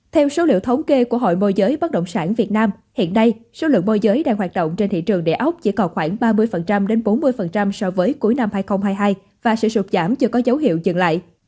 theo số liệu thống kê của hội môi giới bất động sản việt nam hiện nay số lượng môi giới đang hoạt động trên thị trường đề ốc chỉ còn khoảng ba mươi đến bốn mươi so với cuối năm hai nghìn hai mươi hai và sự sụp giảm chưa có dấu hiệu dừng lại